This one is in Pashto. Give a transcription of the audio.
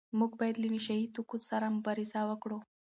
موږ باید له نشه يي توکو سره مبارزه وکړو.